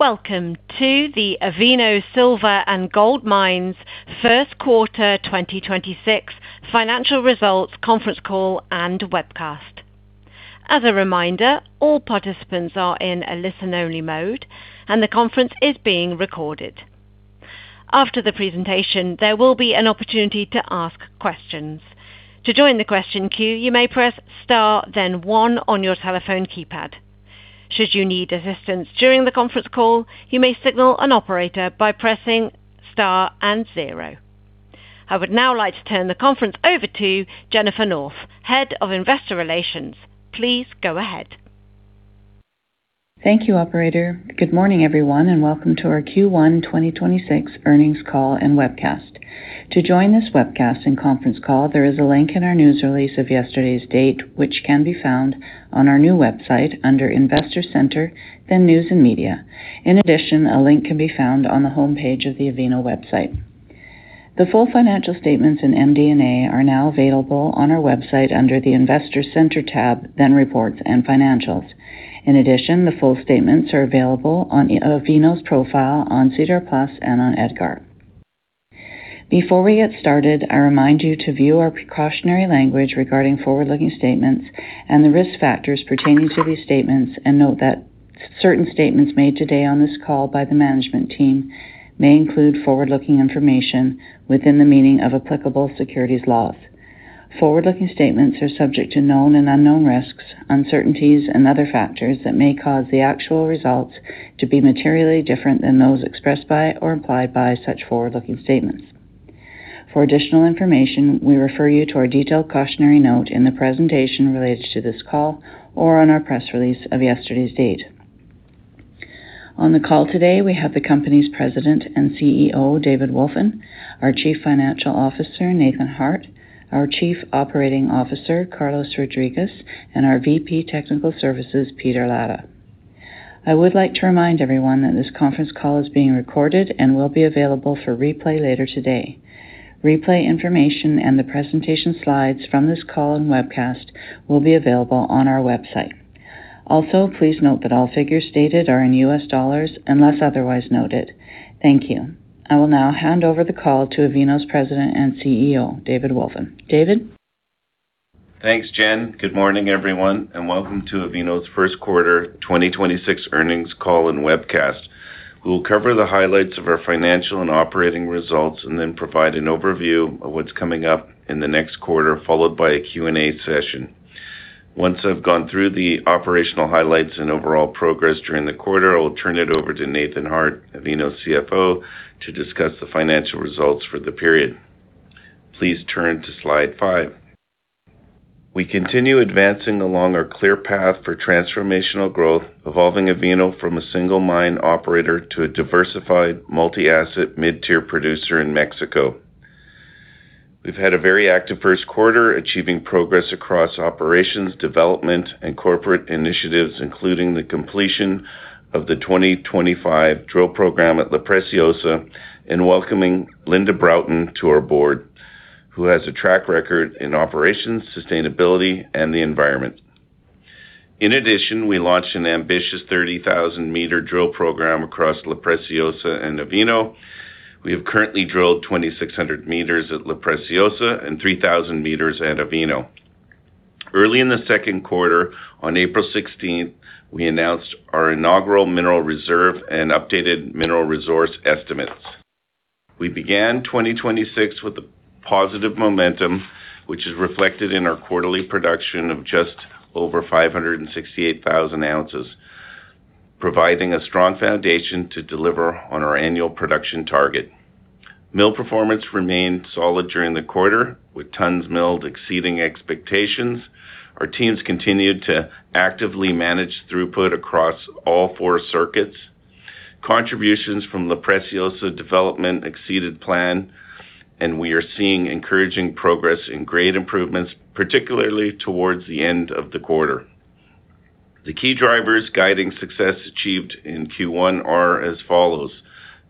Welcome to the Avino Silver & Gold Mines 1st quarter 2026 financial results conference call and webcast. As a reminder, all participants are in a listen-only mode, and the conference is being recorded. After the presentation, there will be an opportunity to ask questions. To join the question queue, you may press Star then one on your telephone keypad. Should you need assistance during the conference call, you may signal an operator by pressing Star and zero. I would now like to turn the conference over to Jennifer North, Head of Investor Relations. Please go ahead. Thank you, operator. Good morning, everyone, welcome to our Q1 2026 earnings call and webcast. To join this webcast and conference call, there is a link in our news release of yesterday's date, which can be found on our new website under Investor Center, then News and Media. In addition, a link can be found on the homepage of the Avino website. The full financial statements in MD&A are now available on our website under the Investor Center tab, then Reports and Financials. In addition, the full statements are available on Avino's profile on Sedar+ and on EDGAR. Before we get started, I remind you to view our precautionary language regarding forward-looking statements and the risk factors pertaining to these statements, note that certain statements made today on this call by the management team may include forward-looking information within the meaning of applicable securities laws. Forward-looking statements are subject to known and unknown risks, uncertainties, and other factors that may cause the actual results to be materially different than those expressed by or implied by such forward-looking statements. For additional information, we refer you to our detailed cautionary note in the presentation related to this call or on our press release of yesterday's date. On the call today, we have the company's President and CEO, David Wolfin, our Chief Financial Officer, Nathan Harte, our Chief Operating Officer, Carlos Rodriguez, and our VP Technical Services, Peter Latta. I would like to remind everyone that this conference call is being recorded and will be available for replay later today. Replay information and the presentation slides from this call and webcast will be available on our website. Also, please note that all figures stated are in U.S. dollars unless otherwise noted. Thank you. I will now hand over the call to Avino's President and CEO, David Wolfin. David? Thanks, Jen. Good morning, everyone, and welcome to Avino's first quarter 2026 earnings call and webcast. We will cover the highlights of our financial and operating results and then provide an overview of what's coming up in the next quarter, followed by a Q&A session. Once I've gone through the operational highlights and overall progress during the quarter, I will turn it over to Nathan Harte, Avino's CFO, to discuss the financial results for the period. Please turn to slide five. We continue advancing along our clear path for transformational growth, evolving Avino from a single mine operator to a diversified multi-asset mid-tier producer in Mexico. We've had a very active first quarter, achieving progress across operations, development, and corporate initiatives, including the completion of the 2025 drill program at La Preciosa and welcoming Linda Broughton to our board, who has a track record in operations, sustainability, and the environment. We launched an ambitious 30,000 meter drill program across La Preciosa and Avino. We have currently drilled 2,600 meters at La Preciosa and 3,000 meters at Avino. Early in the second quarter, on April 16, we announced our inaugural mineral reserve and updated mineral resource estimates. We began 2026 with a positive momentum, which is reflected in our quarterly production of just over 568,000 ounces, providing a strong foundation to deliver on our annual production target. Mill performance remained solid during the quarter, with tons milled exceeding expectations. Our teams continued to actively manage throughput across all four circuits. Contributions from La Preciosa development exceeded plan, and we are seeing encouraging progress in great improvements, particularly towards the end of the quarter. The key drivers guiding success achieved in Q1 are as follows.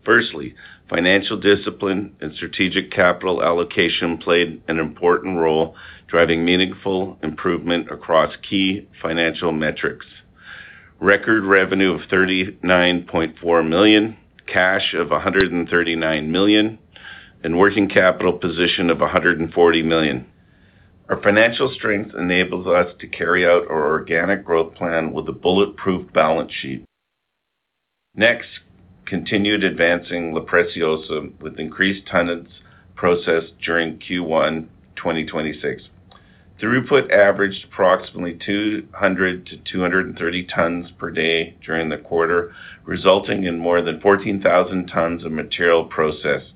Firstly, financial discipline and strategic capital allocation played an important role, driving meaningful improvement across key financial metrics. Record revenue of $39.4 million, cash of $139 million, and working capital position of $140 million. Our financial strength enables us to carry out our organic growth plan with a bulletproof balance sheet. Continued advancing La Preciosa with increased tonnage processed during Q1 2026. Throughput averaged approximately 200-230 tonnes per day during the quarter, resulting in more than 14,000 tonnes of material processed.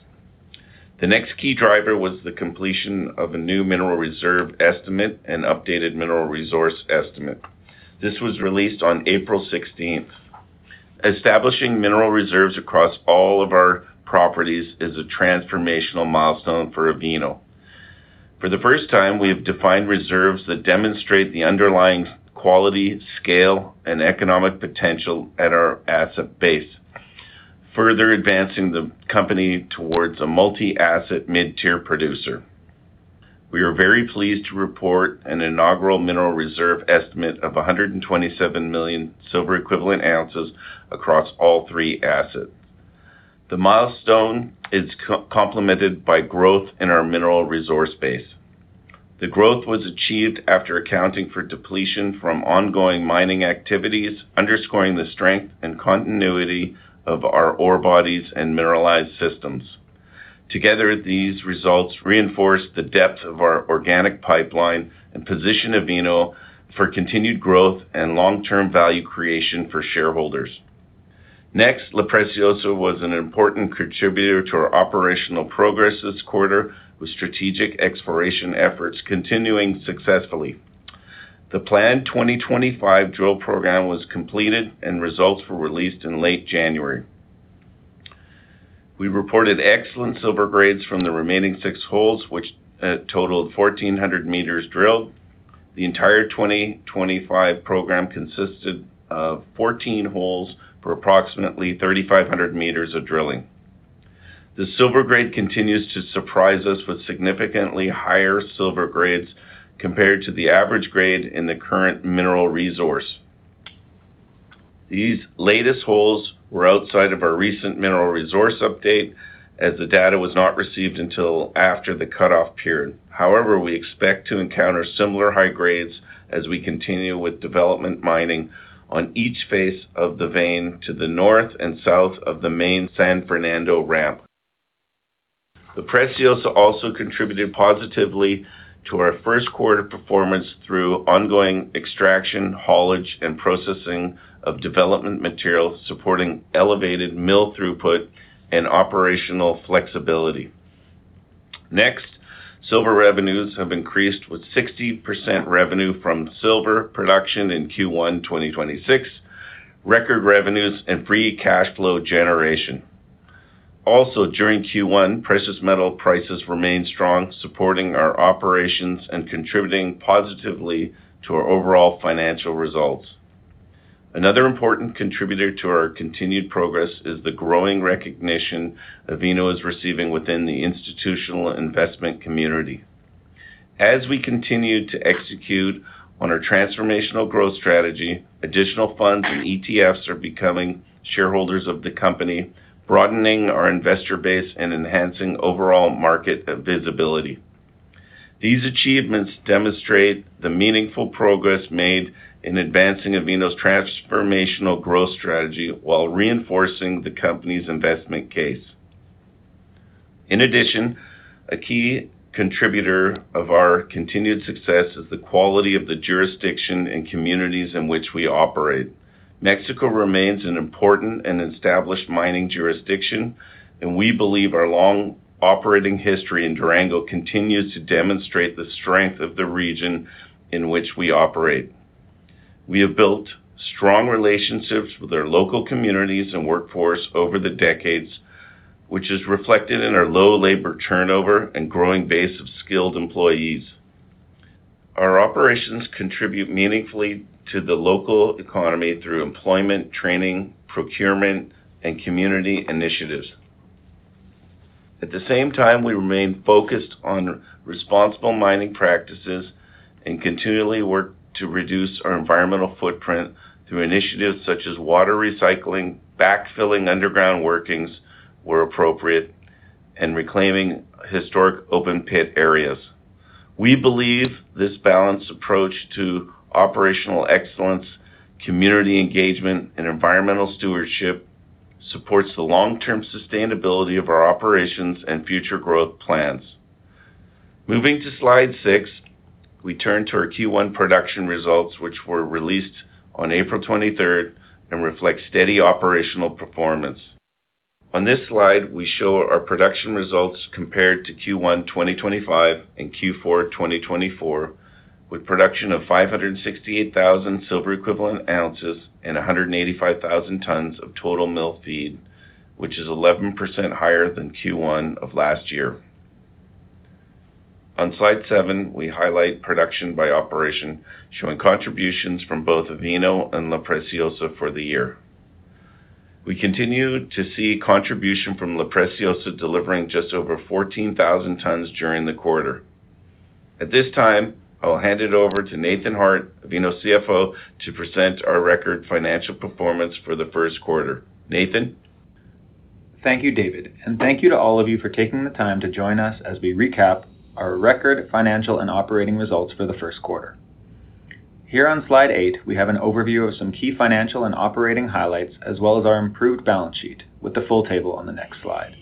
The next key driver was the completion of a new mineral reserve estimate and updated mineral resource estimate. This was released on April 16th. Establishing mineral reserves across all of our properties is a transformational milestone for Avino. For the first time, we have defined reserves that demonstrate the underlying quality, scale, and economic potential at our asset base, further advancing the company towards a multi-asset mid-tier producer. We are very pleased to report an inaugural mineral reserve estimate of 127 million silver equivalent ounces across all three assets. The milestone is co-complemented by growth in our mineral resource base. The growth was achieved after accounting for depletion from ongoing mining activities, underscoring the strength and continuity of our ore bodies and mineralized systems. Together, these results reinforce the depth of our organic pipeline and position of Avino for continued growth and long-term value creation for shareholders. Next, La Preciosa was an important contributor to our operational progress this quarter, with strategic exploration efforts continuing successfully. The planned 2025 drill program was completed, results were released in late January. We reported excellent silver grades from the remaining six holes, which totaled 1,400 meters drilled. The entire 2025 program consisted of 14 holes for approximately 3,500 meters of drilling. The silver grade continues to surprise us with significantly higher silver grades compared to the average grade in the current mineral resource. These latest holes were outside of our recent mineral resource update as the data was not received until after the cutoff period. However, we expect to encounter similar high grades as we continue with development mining on each face of the vein to the north and south of the main San Fernando ramp. La Preciosa also contributed positively to our 1st quarter performance through ongoing extraction, haulage, and processing of development material, supporting elevated mill throughput and operational flexibility. Silver revenues have increased with 60% revenue from silver production in Q1, 2026, record revenues and free cash flow generation. During Q1, precious metal prices remained strong, supporting our operations and contributing positively to our overall financial results. Another important contributor to our continued progress is the growing recognition Avino is receiving within the institutional investment community. As we continue to execute on our transformational growth strategy, additional funds and ETFs are becoming shareholders of the company, broadening our investor base and enhancing overall market visibility. These achievements demonstrate the meaningful progress made in advancing Avino's transformational growth strategy while reinforcing the company's investment case. In addition, a key contributor of our continued success is the quality of the jurisdiction and communities in which we operate. Mexico remains an important and established mining jurisdiction, and we believe our long operating history in Durango continues to demonstrate the strength of the region in which we operate. We have built strong relationships with our local communities and workforce over the decades, which is reflected in our low labor turnover and growing base of skilled employees. Our operations contribute meaningfully to the local economy through employment, training, procurement, and community initiatives. At the same time, we remain focused on responsible mining practices and continually work to reduce our environmental footprint through initiatives such as water recycling, backfilling underground workings where appropriate, and reclaiming historic open pit areas. We believe this balanced approach to operational excellence, community engagement, and environmental stewardship supports the long-term sustainability of our operations and future growth plans. Moving to slide six, we turn to our Q1 production results, which were released on April 23rd and reflect steady operational performance. On this slide, we show our production results compared to Q1 2025 and Q4 2024, with production of 568,000 silver equivalent ounces and 185,000 tons of total mill feed, which is 11% higher than Q1 of last year. On slide seven, we highlight production by operation, showing contributions from both Avino and La Preciosa for the year. We continue to see contribution from La Preciosa delivering just over 14,000 tons during the quarter. At this time, I'll hand it over to Nathan Harte, Avino CFO, to present our record financial performance for the first quarter. Nathan? Thank you, David, and thank you to all of you for taking the time to join us as we recap our record financial and operating results for the first quarter. Here on slide eight, we have an overview of some key financial and operating highlights, as well as our improved balance sheet with the full table on the next slide.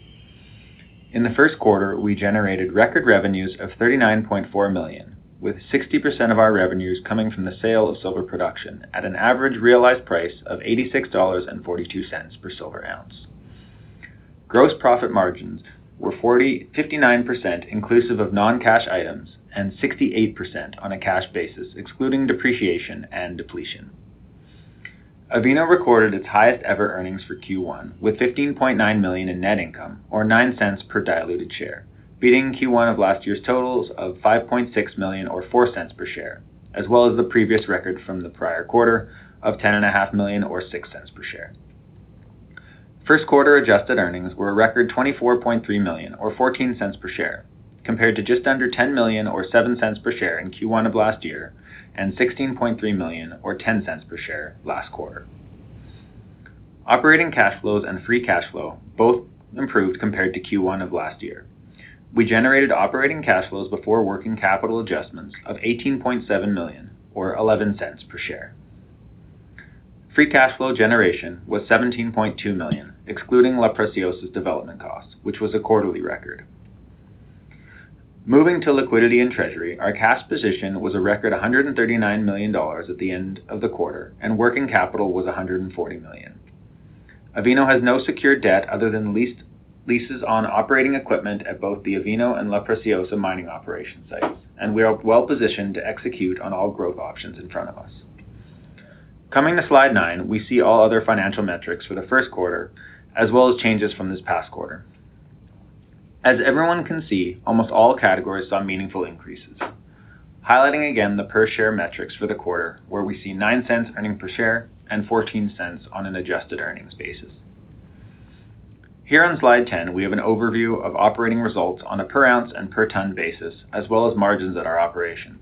In the first quarter, we generated record revenues of $39.4 million, with 60% of our revenues coming from the sale of silver production at an average realized price of $86.42 per silver ounce. Gross profit margins were 59% inclusive of non-cash items and 68% on a cash basis, excluding depreciation and depletion. Avino recorded its highest ever earnings for Q1, with $15.9 million in net income or $0.09 per diluted share, beating Q1 of last year's totals of $5.6 million or $0.04 per share, as well as the previous record from the prior quarter of $10.5 million or $0.06 per share. First quarter adjusted earnings were a record $24.3 million, or $0.14 per share, compared to just under $10 million or $0.07 per share in Q1 of last year and $16.3 million or $0.10 per share last quarter. Operating cash flows and free cash flow both improved compared to Q1 of last year. We generated operating cash flows before working capital adjustments of $18.7 million or $0.11 per share. Free cash flow generation was $17.2 million, excluding La Preciosa development costs, which was a quarterly record. Moving to liquidity and treasury, our cash position was a record $139 million at the end of the quarter, and working capital was $140 million. Avino has no secured debt other than leases on operating equipment at both the Avino and La Preciosa mining operation sites, and we are well-positioned to execute on all growth options in front of us. Coming to slide nine, we see all other financial metrics for the first quarter, as well as changes from this past quarter. As everyone can see, almost all categories saw meaningful increases. Highlighting again the per share metrics for the quarter where we see $0.09 earning per share and $0.14 on an adjusted earnings basis. Here on slide 10, we have an overview of operating results on a per ounce and per ton basis, as well as margins at our operation.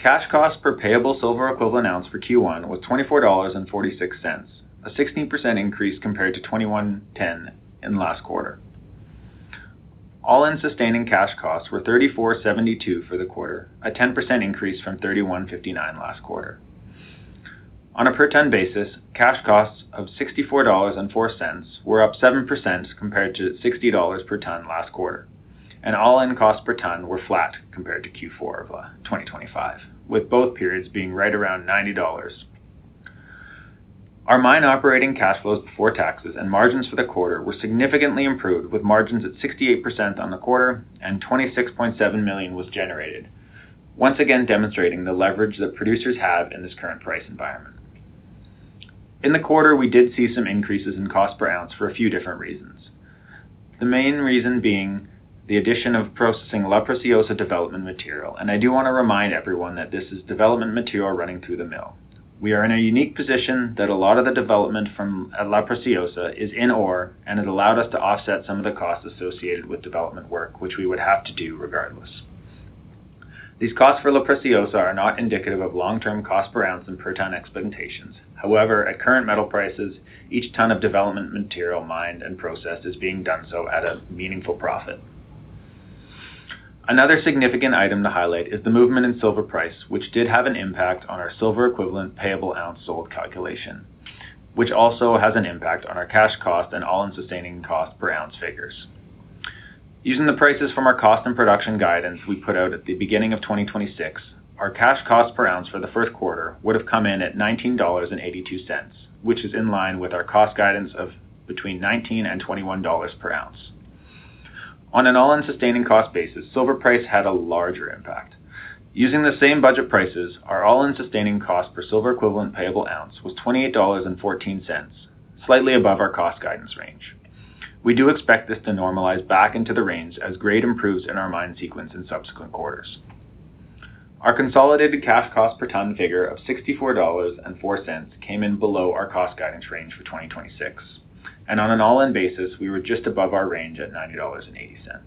Cash cost per payable silver equivalent ounce for Q1 was $24.46, a 16% increase compared to $21.10 in last quarter. All-in sustaining cash costs were $34.72 for the quarter, a 10% increase from $31.59 last quarter. On a per ton basis, cash costs of $64.04 were up 7% compared to $60 per ton last quarter, and all-in costs per ton were flat compared to Q4 of 2025, with both periods being right around $90. Our mine operating cash flows before taxes and margins for the quarter were significantly improved, with margins at 68% on the quarter and $26.7 million was generated, once again demonstrating the leverage that producers have in this current price environment. In the quarter, we did see some increases in cost per ounce for a few different reasons. The main reason being the addition of processing La Preciosa development material. I do want to remind everyone that this is development material running through the mill. We are in a unique position that a lot of the development from La Preciosa is in ore. It allowed us to offset some of the costs associated with development work, which we would have to do regardless. These costs for La Preciosa are not indicative of long-term cost per ounce and per ton expectations. However, at current metal prices, each ton of development material mined and processed is being done so at a meaningful profit. Another significant item to highlight is the movement in silver price, which did have an impact on our silver equivalent payable ounce sold calculation, which also has an impact on our cash cost and all-in sustaining cost per ounce figures. Using the prices from our cost and production guidance we put out at the beginning of 2026, our cash cost per ounce for the first quarter would have come in at $19.82, which is in line with our cost guidance of between $19 and $21 per ounce. On an all-in sustaining cost basis, silver price had a larger impact. Using the same budget prices, our all-in sustaining cost per silver equivalent payable ounce was $28.14, slightly above our cost guidance range. We do expect this to normalize back into the range as grade improves in our mine sequence in subsequent quarters. Our consolidated cash cost per ton figure of $64.04 came in below our cost guidance range for 2026, and on an all-in basis, we were just above our range at $90.80.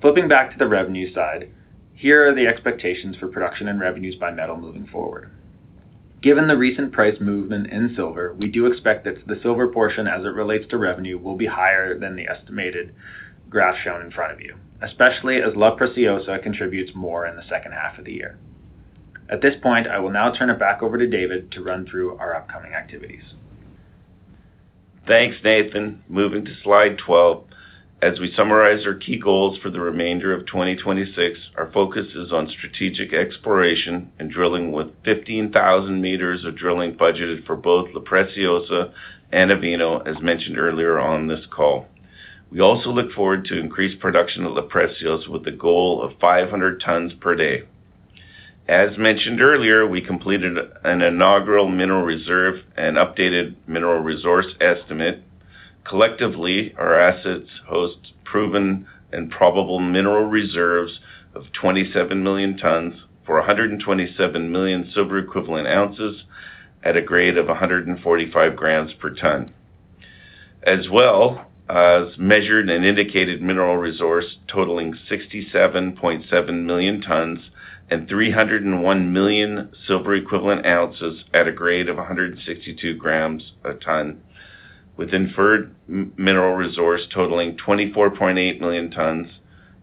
Flipping back to the revenue side, here are the expectations for production and revenues by metal moving forward. Given the recent price movement in silver, we do expect that the silver portion as it relates to revenue will be higher than the estimated graph shown in front of you, especially as La Preciosa contributes more in the second half of the year. At this point, I will now turn it back over to David to run through our upcoming activities. Thanks, Nathan. Moving to slide 12, as we summarize our key goals for the remainder of 2026, our focus is on strategic exploration and drilling with 15,000 meters of drilling budgeted for both La Preciosa and Avino, as mentioned earlier on this call. We also look forward to increased production of La Preciosa with a goal of 500 tons per day. As mentioned earlier, we completed an inaugural mineral reserve and updated mineral resource estimate. Collectively, our assets host proven and probable mineral reserves of 27 million tons for 127 million silver equivalent ounces at a grade of 145 grams per ton. As well as measured and indicated mineral resource totaling 67.7 million tons and 301 million silver equivalent ounces at a grade of 162 grams a ton, with inferred mineral resource totaling 24.8 million tons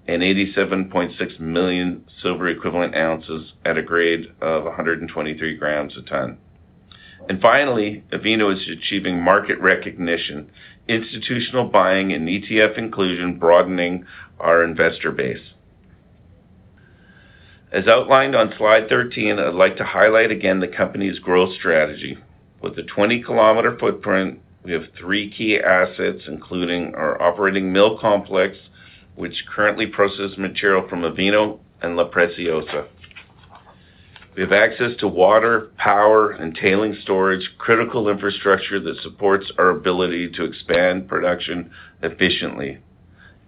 and 87.6 million silver equivalent ounces at a grade of 123 grams a ton. Finally, Avino is achieving market recognition, institutional buying and ETF inclusion broadening our investor base. As outlined on slide 13, I'd like to highlight again the company's growth strategy. With a 20-kilometer footprint, we have three key assets, including our operating mill complex, which currently processes material from Avino and La Preciosa. We have access to water, power, and tailing storage, critical infrastructure that supports our ability to expand production efficiently.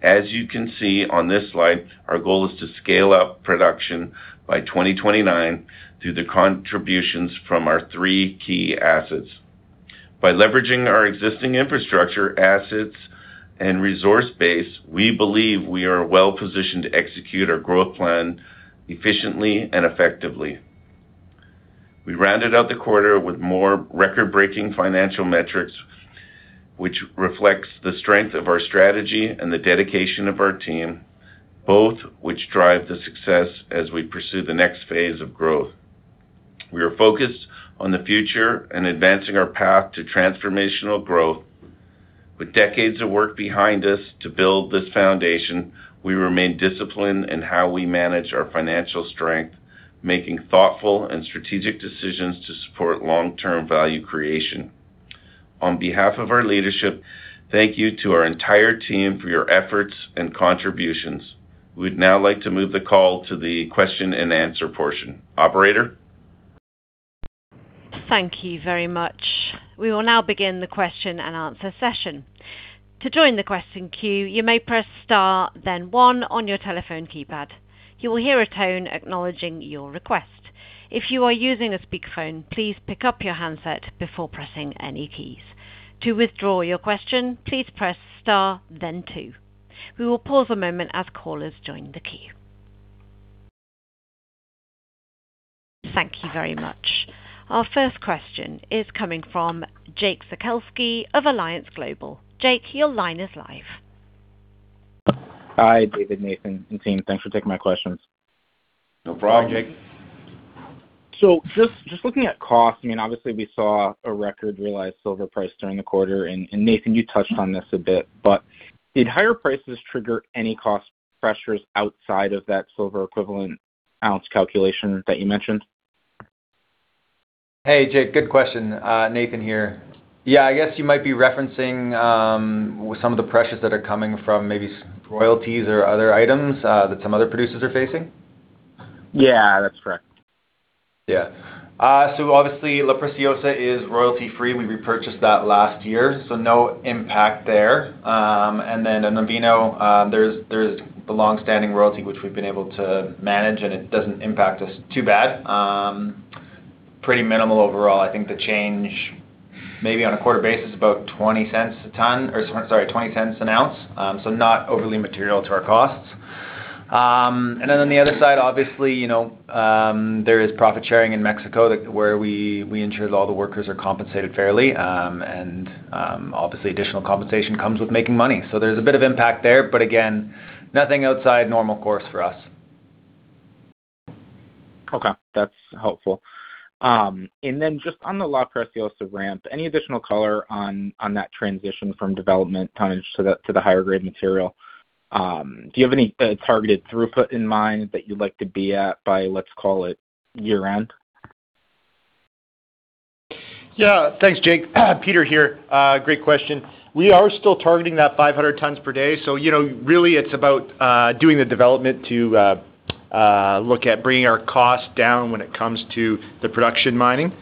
As you can see on this slide, our goal is to scale up production by 2029 through the contributions from our three key assets. By leveraging our existing infrastructure assets and resource base, we believe we are well-positioned to execute our growth plan efficiently and effectively. We rounded out the quarter with more record-breaking financial metrics, which reflects the strength of our strategy and the dedication of our team, both which drive the success as we pursue the next phase of growth. We are focused on the future and advancing our path to transformational growth. With decades of work behind us to build this foundation, we remain disciplined in how we manage our financial strength, making thoughtful and strategic decisions to support long-term value creation. On behalf of our leadership, thank you to our entire team for your efforts and contributions. We'd now like to move the call to the question-and-answer portion. Operator? Thank you very much. We will now begin the question-and-answer session. To join the question queue, you may press star then one on your telephone keypad. You will hear a tone acknowledging your request. If you are using a speakerphone, please pick up your handset before pressing any keys. To withdraw your question, please press star then two. We will pause a moment as callers join the queue. Thank you very much. Our first question is coming from Jake Sekelsky of Alliance Global. Jake, your line is live. Hi, David, Nathan, and team. Thanks for taking my questions. No problem. Just looking at cost, I mean, obviously, we saw a record realized silver price during the quarter. Nathan, you touched on this a bit, but did higher prices trigger any cost pressures outside of that silver equivalent ounce calculation that you mentioned? Hey, Jake, good question. Nathan here. Yeah, I guess you might be referencing some of the pressures that are coming from maybe royalties or other items that some other producers are facing. Yeah, that's correct. Obviously, La Preciosa is royalty-free. We repurchased that last year, no impact there. At Novillo, there's the long-standing royalty, which we've been able to manage, and it doesn't impact us too bad. Pretty minimal overall. I think the change maybe on a quarter basis about $0.20 a ton or, sorry, $0.20 an ounce. Not overly material to our costs. On the other side, obviously, you know, there is profit sharing in Mexico where we ensure that all the workers are compensated fairly. Obviously, additional compensation comes with making money. There's a bit of impact there. Again, nothing outside normal course for us. Okay, that's helpful. Just on the La Preciosa ramp, any additional color on that transition from development tonnage to the, to the higher grade material? Do you have any targeted throughput in mind that you'd like to be at by, let's call it year-end? Yeah. Thanks, Jake. Peter here. Great question. We are still targeting that 500 tons per day. You know, really, it's about doing the development to look at bringing our cost down when it comes to the production mining,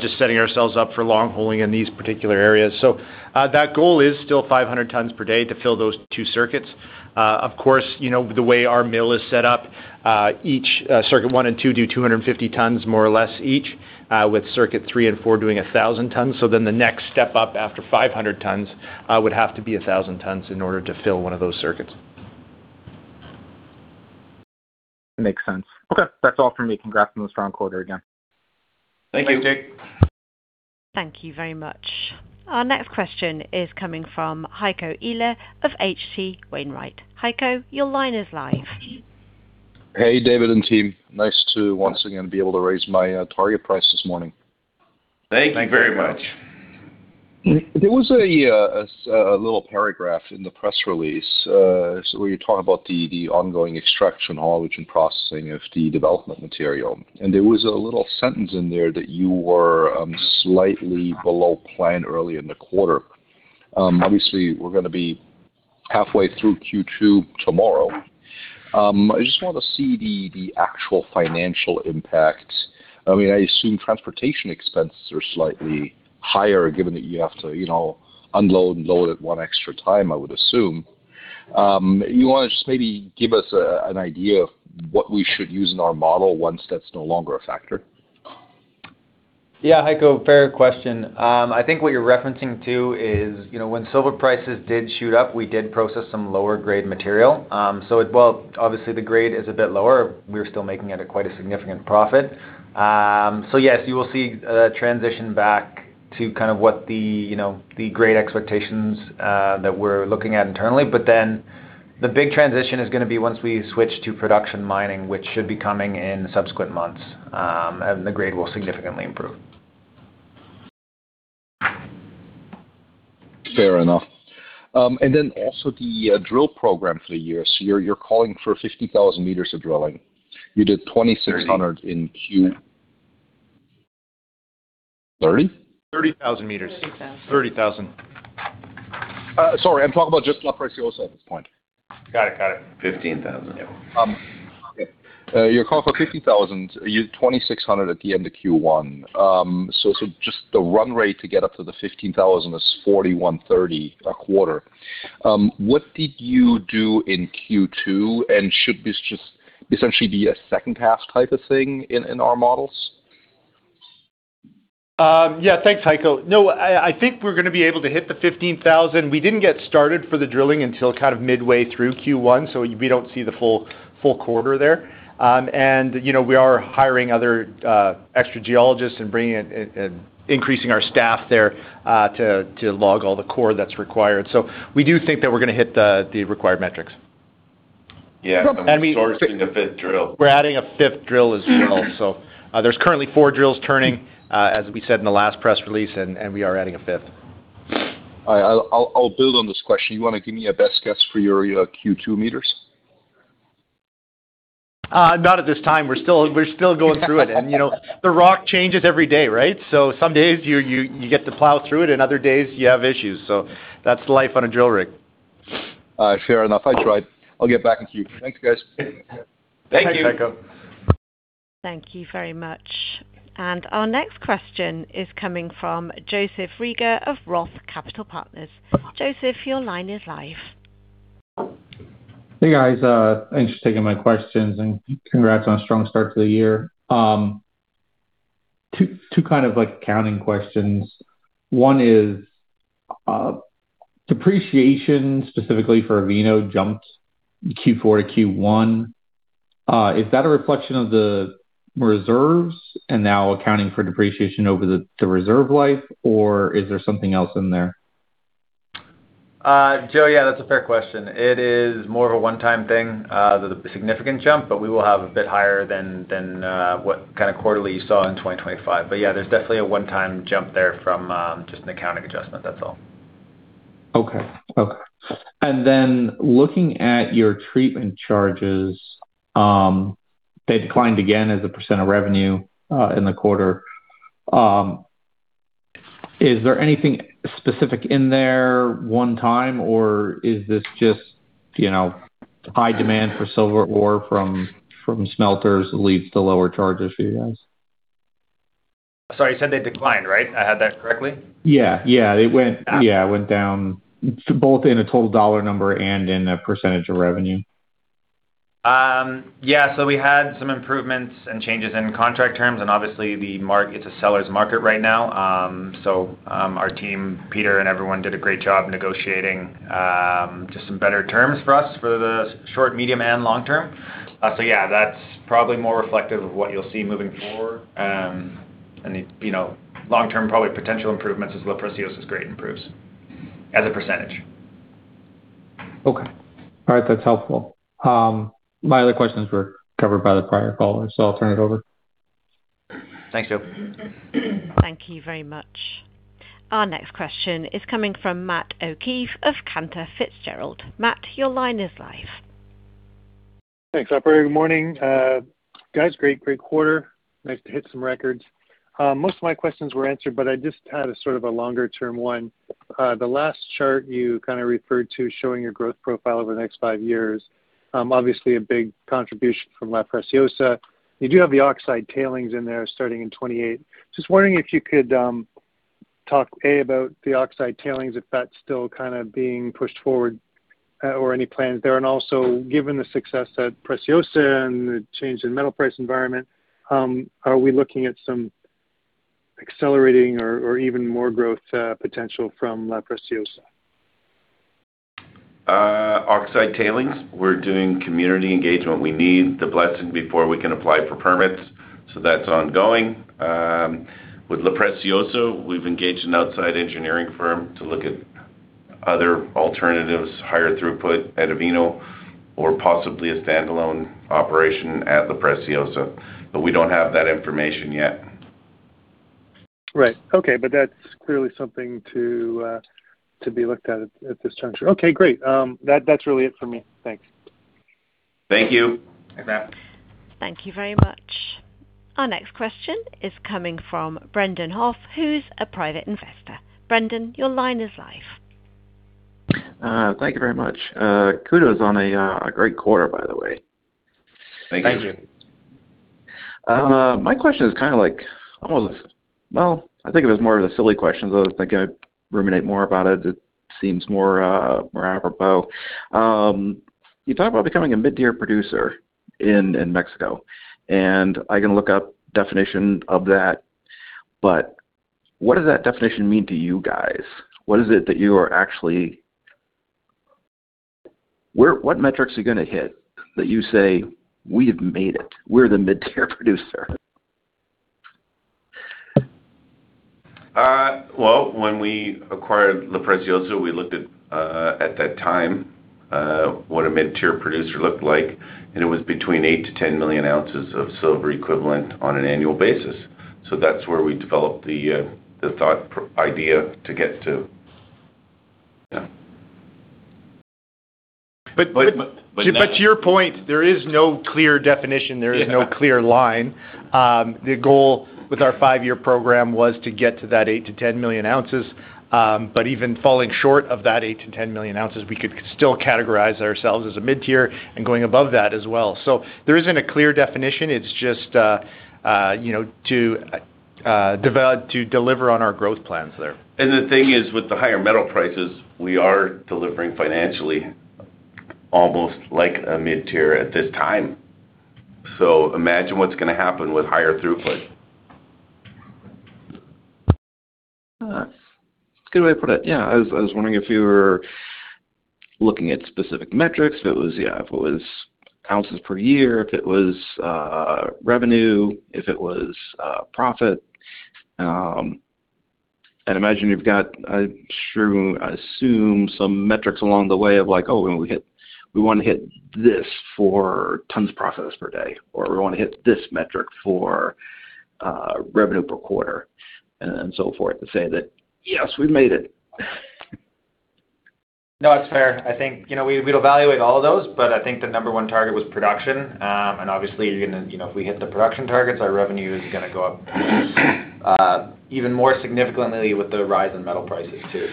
just setting ourselves up for long hauling in these particular areas. That goal is still 500 tons per day to fill those two circuits. Of course, you know, the way our mill is set up, each circuit one and two do 250 tons, more or less each, with circuit three and four doing 1,000 tons. The next step up after 500 tons would have to be 1,000 tons in order to fill one of those circuits. Makes sense. Okay. That's all for me. Congrats on the strong quarter again. Thank you. Thanks, Jake. Thank you very much. Our next question is coming from Heiko Ihle of H.C. Wainwright. Heiko, your line is live. Hey, David and team. Nice to once again be able to raise my target price this morning. Thank you very much. There was a little paragraph in the press release, where you're talking about the ongoing extraction, haulage, and processing of the development material. There was a little sentence in there that you were slightly below plan early in the quarter. Obviously, we're gonna be halfway through Q2 tomorrow. I just want to see the actual financial impact. I mean, I assume transportation expenses are slightly higher given that you have to, you know, unload and load it one extra time, I would assume. You wanna just maybe give us an idea of what we should use in our model once that's no longer a factor? Yeah, Heiko, fair question. I think what you're referencing to is, you know, when silver prices did shoot up, we did process some lower grade material. While obviously the grade is a bit lower, we're still making it at quite a significant profit. Yes, you will see a transition back to kind of what the, you know, the grade expectations that we're looking at internally. The big transition is gonna be once we switch to production mining, which should be coming in subsequent months, the grade will significantly improve. Fair enough. Also the drill program for the year. You're calling for 50,000 meters of drilling. You did 2,600 in Q3? 30,000 meters. $30,000. $30,000. Sorry, I'm talking about just La Preciosa at this point. Got it. $15,000. Okay. You're calling for $50,000. You had $2,600 at the end of Q1. Just the run rate to get up to the $15,000 is $4,130 a quarter. What did you do in Q2, and should this just essentially be a second half type of thing in our models? Yeah. Thanks, Heiko Ihle. I think we're gonna be able to hit the 15,000. We didn't get started for the drilling until kind of midway through Q1, we don't see the full quarter there. You know, we are hiring other extra geologists and bringing in and increasing our staff there to log all the core that's required. We do think that we're gonna hit the required metrics. Yeah- And we- Sourcing a fifth drill. We're adding a fifth drill as well. There's currently four drills turning, as we said in the last press release, and we are adding a fifth. I'll build on this question. You wanna give me a best guess for your Q2 metrics? Not at this time. We're still going through it. You know, the rock changes every day, right? Some days you get to plow through it, and other days you have issues. That's life on a drill rig. Fair enough. I tried. I'll get back into you. Thanks, guys. Thank you. Thanks, Heiko. Thank you very much. Our next question is coming from Joseph Reagor of Roth Capital Partners. Joseph, your line is live. Hey, guys. Thanks for taking my questions, and congrats on a strong start to the year. Two kind of, like, accounting questions. One is, depreciation specifically for Avino jumped Q4 to Q1. Is that a reflection of the reserves and now accounting for depreciation over the reserve life, or is there something else in there? Joe, yeah, that's a fair question. It is more of a one-time thing, the significant jump. We will have a bit higher than what kinda quarterly you saw in 2025. Yeah, there's definitely a one-time jump there from just an accounting adjustment. That's all. Okay. Okay. Looking at your treatment charges, they declined again as a percentage of revenue, in the quarter. Is there anything specific in there one time, or is this just, you know, high demand for silver ore from smelters leads to lower charges for you guys? Sorry, you said they declined, right? I have that correctly. Yeah. went down both in a total dollar number and in a percentage of revenue. We had some improvements and changes in contract terms, and obviously, it's a seller's market right now. Our team, Peter and everyone did a great job negotiating just some better terms for us for the short, medium, and long term. That's probably more reflective of what you'll see moving forward. You know, long term, probably potential improvements as La Preciosa's grade improves as a percentage. Okay. All right. That's helpful. My other questions were covered by the prior caller, so I'll turn it over. Thanks, Joe. Thank you very much. Our next question is coming from Matthew O'Keefe of Cantor Fitzgerald. Matt, your line is live. Thanks, operator. Good morning. Guys, great quarter. Nice to hit some records. Most of my questions were answered. I just had a sort of a longer term one. The last chart you kind of referred to showing your growth profile over the next five years, obviously a big contribution from La Preciosa. You do have the oxide tailings in there starting in 28. Just wondering if you could talk, A, about the oxide tailings, if that's still kind of being pushed forward, or any plans there. Also, given the success at Preciosa and the change in metal price environment, are we looking at some accelerating or even more growth potential from La Preciosa? oxide tailings, we're doing community engagement. We need the blessing before we can apply for permits, so that's ongoing. With La Preciosa, we've engaged an outside engineering firm to look at other alternatives, higher throughput at Avino or possibly a standalone operation at La Preciosa, but we don't have that information yet. Right. Okay, that's clearly something to be looked at this juncture. Okay, great. That's really it for me. Thanks. Thank you. Thanks, Matt. Thank you very much. Our next question is coming from Brendan Hoff, who's a private investor. Brendan, your line is live. Thank you very much. Kudos on a great quarter, by the way. Thank you. Thank you. My question is kinda like, almost. Well, I think it was more of a silly question, so as I kinda ruminate more about it seems more apropos. You talk about becoming a mid-tier producer in Mexico, and I can look up definition of that, but what does that definition mean to you guys? What is it that you are actually what metrics are you gonna hit that you say, "We have made it. We're the mid-tier producer"? Well, when we acquired La Preciosa, we looked at that time, what a mid-tier producer looked like, and it was between 8 million-10 million ounces of silver equivalent on an annual basis. That's where we developed the idea to get to. Yeah. But, but- But, but now- To your point, there is no clear definition. There is no clear line. The goal with our five-year program was to get to that 8 million to 10 million ounces. Even falling short of that 8 million to 10 million ounces, we could still categorize ourselves as a mid-tier and going above that as well. There isn't a clear definition. It's just, you know, to deliver on our growth plans there. The thing is, with the higher metal prices, we are delivering financially almost like a mid-tier at this time. Imagine what's gonna happen with higher throughput. It's a good way to put it. I was wondering if you were looking at specific metrics. If it was ounces per year, if it was revenue, if it was profit. I'd imagine you've got, I'm sure, I assume some metrics along the way of like, "Oh, when we hit this for tons processed per day," or, "We wanna hit this metric for revenue per quarter," and so forth, to say that, "Yes, we've made it. No, that's fair. I think, you know, we'd evaluate all of those, but I think the number one target was production. Obviously you're gonna, you know, if we hit the production targets, our revenue is gonna go up even more significantly with the rise in metal prices, too.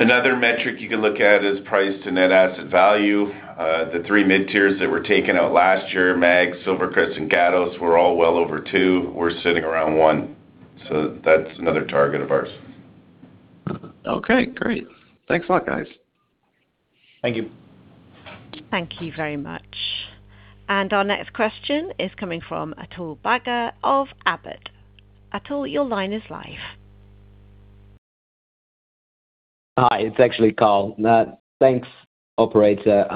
Another metric you can look at is price to net asset value. The three mid-tiers that were taken out last year, MAG, SilverCrest, and Gatos, were all well over two. We're sitting around one, that's another target of ours. Okay, great. Thanks a lot, guys. Thank you. Thank you very much. Our next question is coming from Atul Bagga of Abbott. Atul, your line is live. Hi. It's actually Carl. Thanks, operator.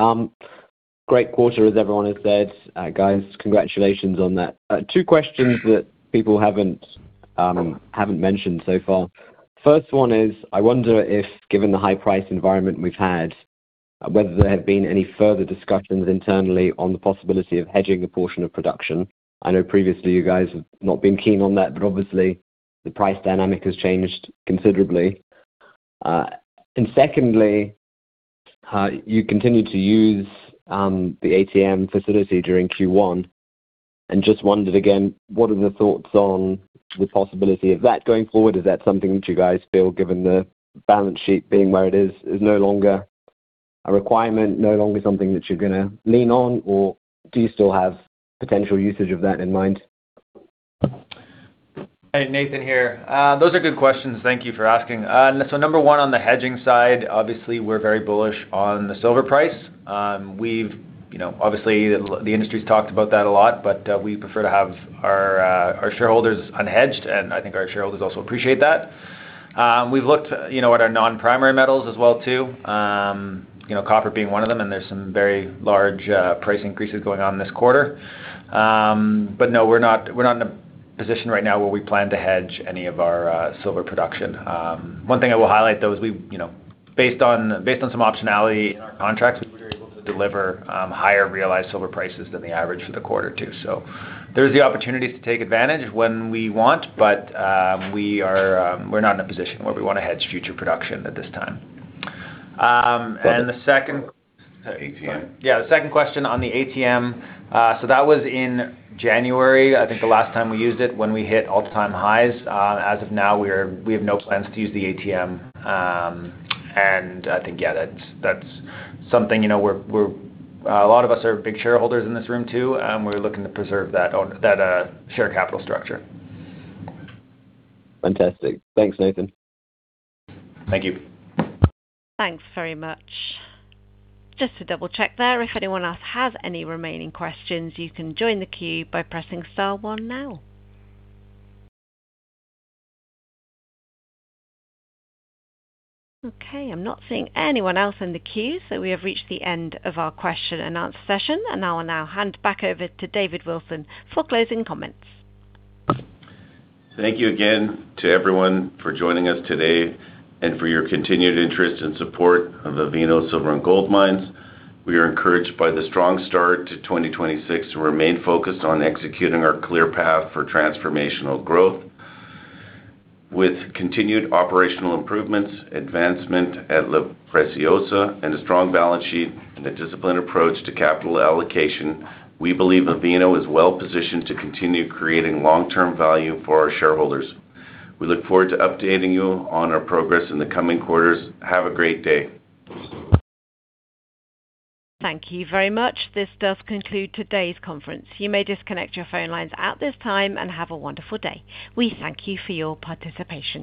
Great quarter, as everyone has said. Guys, congratulations on that. Two questions that people haven't mentioned so far. First one is, I wonder if, given the high price environment we've had, whether there have been any further discussions internally on the possibility of hedging a portion of production. I know previously you guys have not been keen on that, obviously the price dynamic has changed considerably. Secondly, you continued to use the ATM facility during Q1, just wondered, again, what are the thoughts on the possibility of that going forward? Is that something that you guys feel, given the balance sheet being where it is no longer a requirement, no longer something that you're gonna lean on, or do you still have potential usage of that in mind? Hey, Nathan here. Those are good questions. Thank you for asking. Number one, on the hedging side, obviously we're very bullish on the silver price. We've, you know, obviously the industry's talked about that a lot, but we prefer to have our shareholders unhedged, and I think our shareholders also appreciate that. We've looked, you know, at our non-primary metals as well too, you know, copper being one of them, and there's some very large price increases going on this quarter. No, we're not in a position right now where we plan to hedge any of our silver production. One thing I will highlight, though, is we, you know, based on some optionality in our contracts, we were able to deliver higher realized silver prices than the average for the quarter too. There is the opportunity to take advantage when we want, but we are, we're not in a position where we wanna hedge future production at this time. ATM. Yeah, the 2nd question on the ATM, that was in January, I think the last time we used it, when we hit all-time highs. As of now, we have zero plans to use the ATM. I think, yeah, that's something, you know, we're A lot of us are big shareholders in this room too, and we're looking to preserve that share capital structure. Fantastic. Thanks, Nathan. Thank you. Thanks very much. Just to double-check there, if anyone else has any remaining questions, you can join the queue by pressing star one now. Okay, I'm not seeing anyone else in the queue, so we have reached the end of our question and answer session, and I will now hand back over to David Wolfin for closing comments. Thank you again to everyone for joining us today and for your continued interest and support of Avino Silver & Gold Mines. We are encouraged by the strong start to 2026 and remain focused on executing our clear path for transformational growth. With continued operational improvements, advancement at La Preciosa, and a strong balance sheet and a disciplined approach to capital allocation, we believe Avino is well-positioned to continue creating long-term value for our shareholders. We look forward to updating you on our progress in the coming quarters. Have a great day. Thank you very much. This does conclude today's conference. You may disconnect your phone lines at this time, and have a wonderful day. We thank you for your participation.